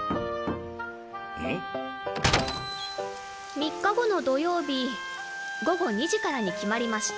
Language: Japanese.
３日後の土曜日午後２時からに決まりました。